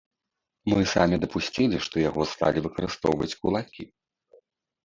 Мы самі дапусцілі, што яго сталі выкарыстоўваць кулакі.